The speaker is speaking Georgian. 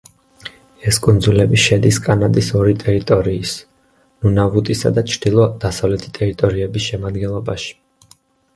ეს კუნძულები შედის კანადის ორი ტერიტორიის ნუნავუტის და ჩრდილო-დასავლეთი ტერიტორიების შემადგენლობაში.